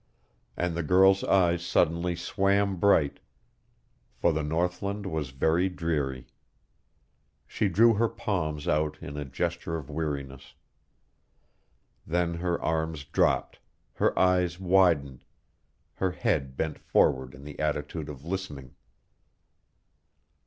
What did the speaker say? And the girl's eyes suddenly swam bright, for the northland was very dreary. She threw her palms out in a gesture of weariness. Then her arms dropped, her eyes widened, her head bent forward in the attitude of listening.